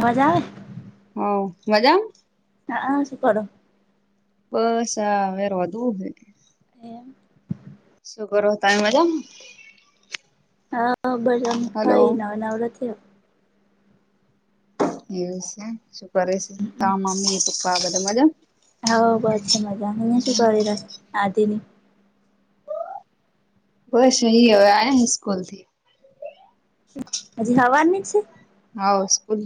મજા આવે? હા મજા હા શુંખડો બસ હા હવે રોડુ હે એમ. શું કરો તમે મજામા? હા બરામી ખાઈ નવા નવરથી એવું છે, શું કરે છે? તા મમ્મી પપ્પા બધા મજામા? હ બધા મજા [unintelligible] શું કરેલા આધેની બસ અહી હવે આયા સ્કૂલ થી હજી હવાની છે. હ સ્કૂલ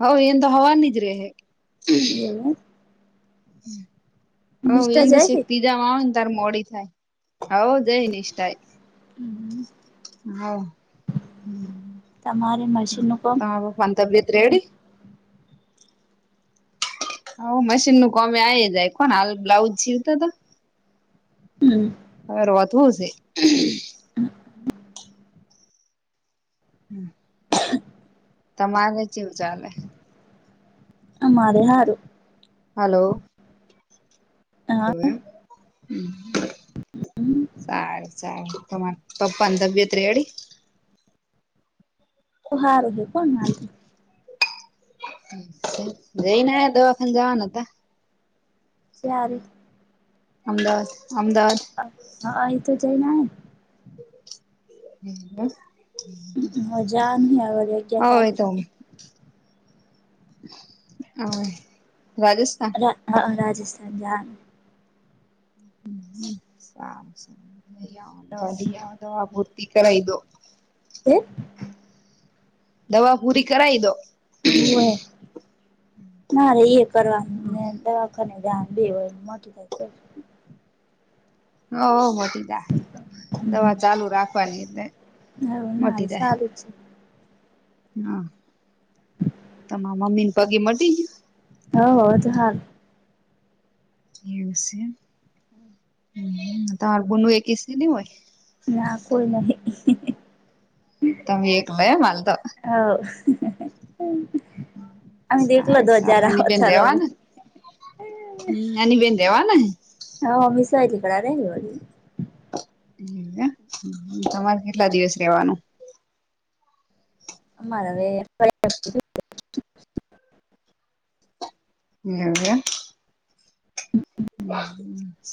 હ એન તો હવાની જ રેહે ઈએવુ. હ એંદર જાય છેક છે તીજામાં આવે ને તાર મોડી થાય. [inaudible] તમારે મશીનનું પણ તબીયત રેડી હ મશીનનું કોમે આવી જાય કોણ હાલ બ્લાઉજ જીવતાતો હમ. હવેર વાત હું છે? [inaudible] હમ. તમારે જેવું ચાલે અમારે હારું હલો હા સારું સારું તમારે પપ્પા તબિયત રડી તો હારૂ કોઈ વાંધો જઈને દવાખા જવાના હતા સારી અમદાવાદ અમદાવાદ હા એ તો જઈ ના. હમ. હ હજામ્યા બલે ક્યા તારીખ હ, રાજસ્થાન. હા રાજસ્થાન જાન [unintelligible] વા દ દવા પૂરતી કરાવ દો કે. દવા પૂરી કરાઈ દો. હો, ના ર એ કરવાનું દવાખને. બે હોય મોટી થાય છે. હ. ટી દ તો હમ દવા ચાલુ રાખવાની એટલે, હવ ના મોટી દાય. સારું છે હા તમા મમ્મીને પગે મટી ગયા? હ હો જ હાલ. એવુ છે, તમાર બુ એક છે ન હોય? ના કોઈ નહી. તમે એકલો એ માલ તો. અ સારું દલો સારું દજાર હની બેન આવથવે રેવાના [unintelligible] હમ એની બેન દેવા ને. થીક રી [unintelligible] તમારે કેટલા દિવસ રેવાનું? અમારે [unintelligible] એવું એમ. હ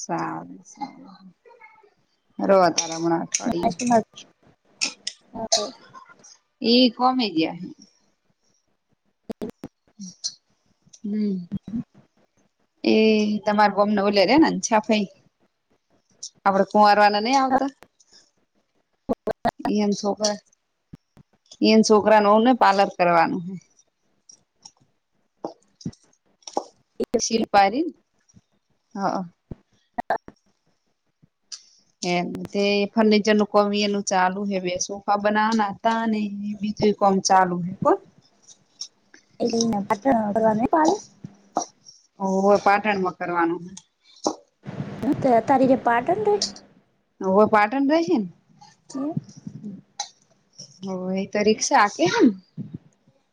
સારું સારું રોજ. તારા મના અઠવાડિયયો. ઓ. એ કોમ હ ગયા. હ. [inaudible] હમ. એ તમાર બમને ઓલે રે ને છા ભાઈ. આપડે કુંવારવાને નહ આવતા, એમ છો કર એ છોકરા ન હોવું ને પાર્લર કરવાનું. સીલપારી, હા. એ તે ફર્નિચર નું કમી એનું ચાલુ હવે સોફા બનાવના તા ને લ કોમ ચાલુ હે કોન. એલેને પટણ અ પા ઓ હોય પાટણમાં કરવાનું. હ તે તારીકે પાટન રેય? હવે પાટણ રશે એ ને? રરીક્ષા આપે હમ.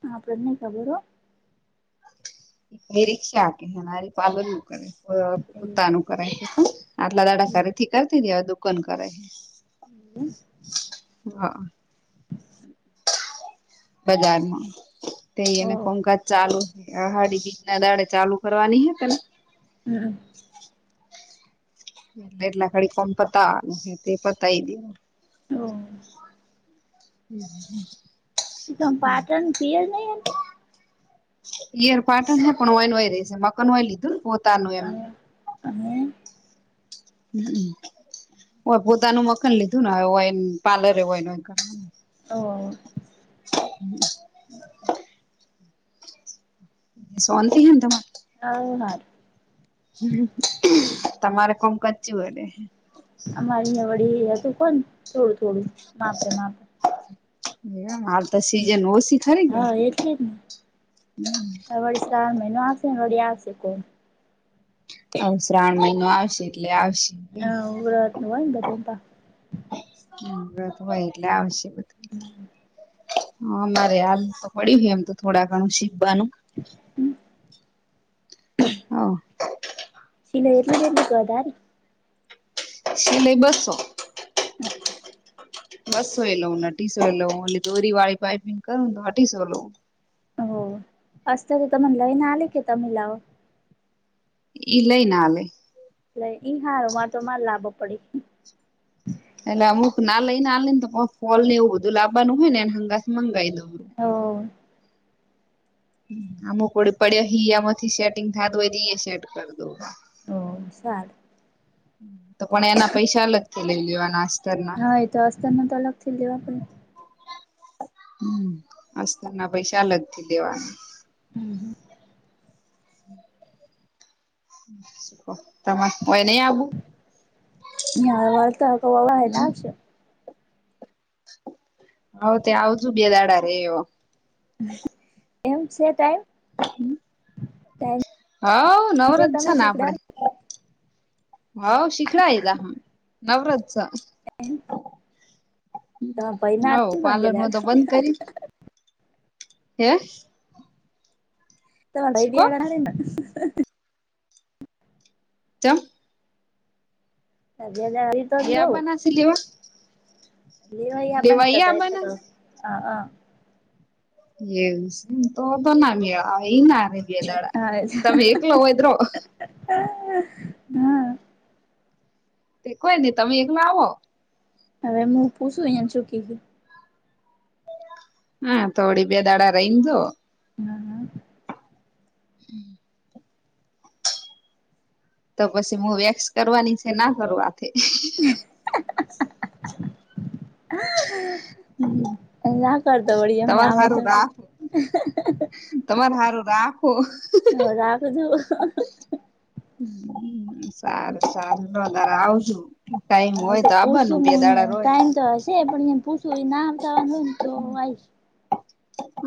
હા પ્રજમ કબરો રિક્ક્ષા કે હેનારી પલરું કરે. પતાનું કરે છે, આટલા દાડાકારથી કરતી દેવાવે દુકાન કરે છે. હમ. હા. બજારમાં, હો તેઈને ઓહ કોમકાજ ચાલુ. આહાડી બીજ ના દાડે ચાલુ કરવાની હે તને. હમ. એટલે એટલા ઘડી કોણ પતાવાનું છે તે પતાય દે. ઓ. હમ [unintelligible] [unintelligible] તોમ પાટણ પીય જ નહી એમ યાર પાટણ છે પણ ઓયન વાય રહી છે મકાન વાય લીધું ને પો [unintelligible] અને હ હોય પોતાનું મખાન લીધું ને હોય [unintelligible] ઓહ હવ સોનતી હદમાં હ [inaudible] હ [inaudible] તમારે કોમ કચ્યું હોય ને [inaudible] અમારી અં વળી હતું કોણ થોડું થોડું માપે માપે એ [inaudible] મા હં હા એટલી જ ને આ વળી શ્રાવણ મહિનો. [inaudible] એનોડી આસેકો હવ શ્રાવણ મહિનો આવશે એટલે આવશે હા ઉરા નવા એ બતતા [unintelligible] આવશ્ય હમ! હમારે હાલ તો પડી્યુંય એમ તો થોડા ઘણું શીખવાનું. [inaudible] હ ચિન એરલીને એરલીિકવા દ ર [unintelligible] સિલે [unintelligible] બસો. બસો એ લઉને અઢીસો લ દોરી વાળી પાપિંગ કરું તો અઢીસો લઉ. હ અસ્ત તો તો મલાય ના લ કેતા મિલાવ. એ લઈ નાલે એ લ ઈ હાર માર તો મારે લાભો પડી એને અમુક ના લઈ ને આને તો ફોલ ને એવું બધું લાવવાનું હોય ને એને હંગાસ મંગાવી દઉ. હ આમુકડી પડ્યો હીયામાંથી સેટિંગ થા દો હોય સેટ કરી દઉ સાાર તો પણ એના પૈસા અલગથી લઈ લેવાના [inaudible] અસ્તરના હા એ તો આસ્તર ન તો અલગથી લેવા પડે [unintelligible] હં અસ્તર ના પૈસા અલગથી દેવાના. હમ હ [unintelligible] [unintelligible] તમા [unintelligible] વાર્તા વાવા [unintelligible] [unintelligible] ના છે હવે ત આવજું બે દાડા રે એમ છે ટાઈપ હમ થેક હવ નવરત છે ને આપડે [unintelligible] હવ શીખડા [unintelligible] હહં નવરાત છ. તમે ભાઈ ના હવ પાલન તમારા હોતો બંધ કરી હે! શું કો તમે [unintelligible] ચમ! તબિયત આવી તો નવ યાબનાસીલેવા લીવાૈયા બન્ટ્ર હતા એટલેતો અ અ [unintelligible] તો બ ના મેળ આ એના ગેદાડા હા તમે એકલો હોઇડ્રો ઈ હા તે કોઈ નહી તમે એકલા આવો હવે હું પું છું અહીંયા ચૂકી ગયુ હા થોડી બે દાડા રહીને જો હમ્મ તો પછી હું વેક્સ કરવાની છે ના કરવા [unintelligible] [unintelligible] કર દોડી અહીં તમારે આવતો હારું રાખો હવે [unintelligible] તમારે હારું રાખો હ રાખજું સારુ સારું ન તાર આવજું હા તો પૂછું મે ઇને રોય ટાઈમ તો હશે પણ મે પૂછું ના આમ તો વાંધ તો આઈ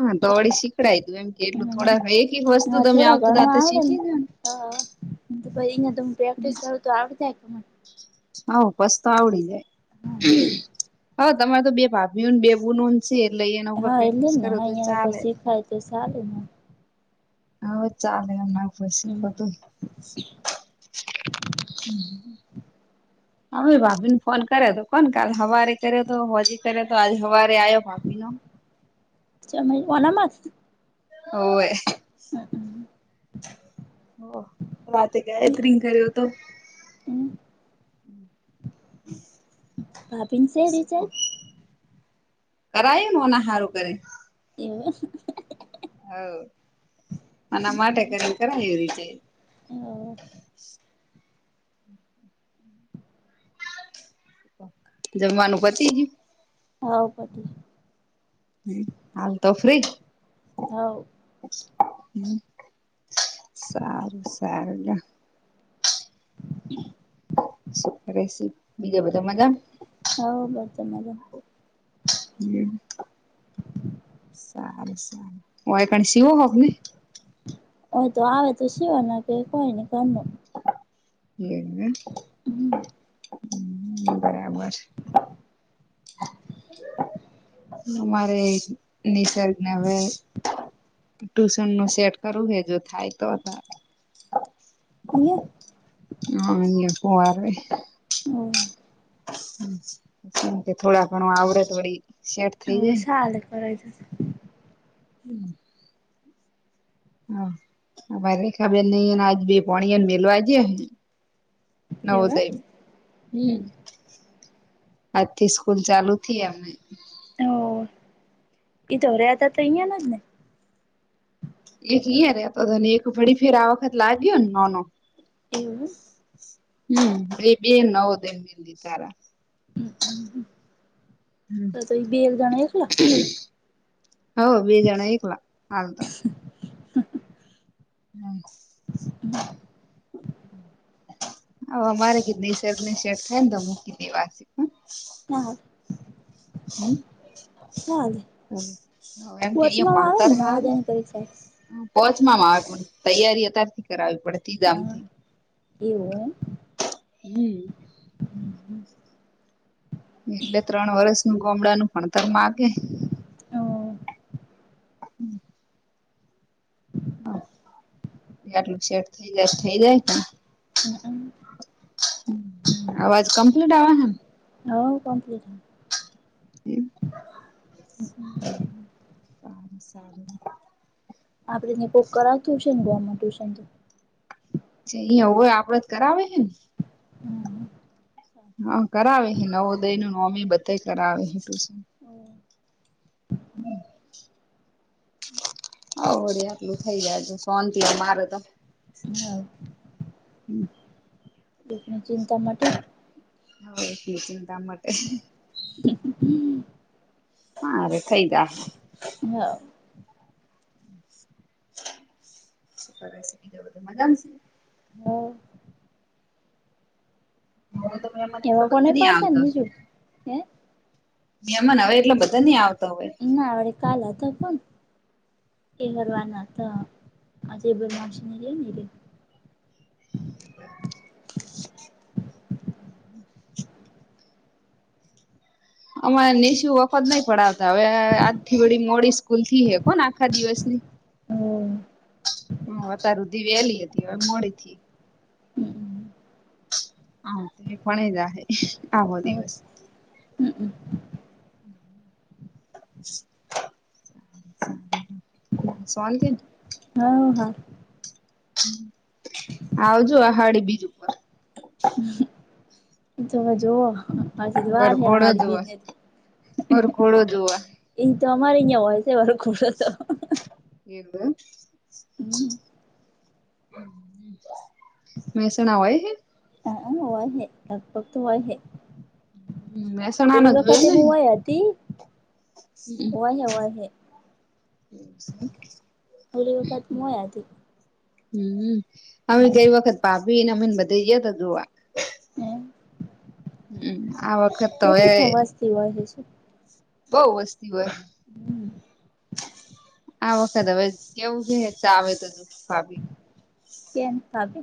હા તોળી શીખડાય તું એમ કે એટલું થોડા એક વસ્તુ હા તમે થોડા આવતું તો ઘણું તો આવડે શીખી ગ ને હા પછ અં ત પ્રેક્ટિસ કરું તો આવ જાય મને હ પછી તો આવડી જાય, મને હ તમારે તો બે ભાભીઓને બે બુનો પછી એટલે એના ઉપર હા એટલે પ્રેક્ટિસ જ ને કરો હા તો અહિયાં પર ચાલે શીખાય તો સારું હવ ચાલે એમા પછી કતું [inaudible] [inaudible] હાવે ભાભી ને ફોન કર્યો તો કોણ કાલ હવારે કર્યો તો, હોજી કર્યો તો આજ હવારે આવ્યો ભાભી નો [unintelligible] આનમાજ હોવે હો વાત કેતેરિન કર્યો તો પાપીન છેે રિચાર્જ કરાયમ ઓના સારું કરે એવું [unintelligible] હો મના માટે કરી કરાય રીચે [inaudible] જમવાનું પતિ ગયુ? હા પતી ગયું. હમ હાલ તો ફ્રી જ હોવ હમ્મ સારું સાર [unintelligible] [inaudible] બીજા બધા મજા હવ બધે મજામાં હમ્મ સારું સારું વાયકણ શીવો હોક ને હોય તો આવે તો સિવાના કે કોઈ નઈ ઘનું એમને હમ્મ હમ્મ બરાબર અમારે નિસર્ગને હવે ટ્યુશન નું સેટ કરવું હે જો થાય તો. [unintelligible] હા હમણે પોવાર હોય. હમ્મ. કે થોડા ઘણું આવડેત વળી સેટ થઈ હા જાય સાલેે કરરા છે. હમ્મ. હા ભાઈ રેખાબેનને આજ ભોણિયાને મેલવા ગ્યો. નવ એવું જાય. હમ્મ. આજથી સ્કૂલ ચાલુ થી અમે. હા એ તો રહ્યા હતા તો અહીંયાના જ ને. એક અહીંયા રેતોતોને એક વળી ફેર આ વખત લાગ્યો ને નાનો. એવું એમ. હમ્મ, એ બે નવ દેન સારા. હમ્મ હમ્મ, હમ તો તો ઈ બેેવ જણા એકલા? હો બે જણા એકલા હાલ તો. હમ્મ. હમ્મ. અમારે કીધલી શર્ની સેટ થાય ને તો મુંકી દેવા સે. [unintelligible] ચાલે [inaudible] હ એમ કે અહીયા વચમાં આવે ભણતર ને હારુ? નવોદયની પરીક્ષા પહોચવામાં આવે તૈયારી અત્યારથી કરાવવી પડે તે હા ગામથી. એવું હોય એમ. હમ્મ. હમ્મ. એટલે ત્રણ વરસનું ગમડાનું પણ તો માગે. હા એ આટલું સેટ થઈ જાય થઈ જાય છે. એમ અવાજ કમ્પ્લીટ આવે હે ને? હા કમ્પ્લીટ. હમ્મ, સારુ સારુ. શંબવ શાંત હો. અહીયા હોય આપડેજ કરાવે હેને. હમ્મ. હા કરાવે નવોદયનું નોમી બધે કરાવે હે ટુશન. હમ્મ. હમ્મ. હમ્મ. હવે આટલું થઈ જાય એટલે સોંતિ મારે તો. હા હમ્મ. એકની ચિંતા માટે. હા એટલી ચિંતા માટે. હારે થઈ જાહે. હા શું કીધ બીજા બધું મજામાં શે? હા. હવે તો એમાંને એવા એટલા કોને બધા નહિ પાડતા આવતા. નીજું હે નિયમન હવે એટલે બધા નહી આવ. ના વડે કાલ હતા પણ એ કરવાના હતા. આજે બાર માશનેરી એટલે. [unintelligible] અમારે નિશુ વખત નહી પડાવતા હવે આજથી બડી મોડી સ્કૂલથી હે કોને આખા દિવસની હું હમ અતાર હુધી વેલી હતી હવે મોડી થી હા તે પણ જ આવો દિવસ [unintelligible] સવાલથી હા હા આવજો આહાડી બીજું ઉપર તો હજુ હ વાર હ વરઘોડો હારી જોવા બિજનેસ વરઘોડો જોવા તો અમારે અહિયાં હોય છે, વારો ખોડો તો એવું હમ મહેસાણા હોય હ વા હ લગભગ તો વા હ મહેસાણા નો ઓલી જોયો વખતે ને મુવાઈ હતી [inaudible] હમ ઓલી વખત હું હોય હતી હમ અમે ગઈ વખત પાપીને અમેને બધા જયા તો જોવા હમ આ વખત કેટલીકમાં વસ્તી હોહે છે. બવ વસ્તી હોય. [inaudible] આ વખત હવે કેવું છે, ચાવ તો દ આપી કેમ ખબે